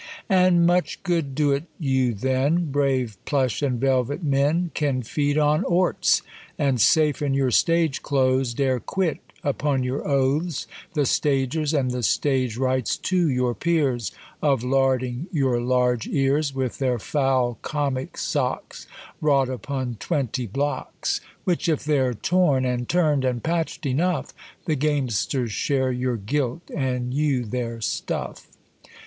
And much good do't you then, Brave plush and velvet men Can feed on orts, and safe in your stage clothes, Dare quit, upon your oathes, The stagers, and the stage wrights too (your peers), Of larding your large ears With their foul comic socks, Wrought upon twenty blocks: Which if they're torn, and turn'd, and patch'd enough The gamesters share your gilt and you their stuff.